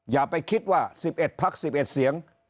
อย่าไปคิดว่า๑๑พัก๑๑เสียง